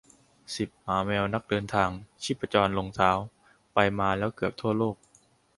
สิบ หมาแมวนักเดินทาง ชีพจรลงเท้า ไปมาแล้วเกือบทั่วโลก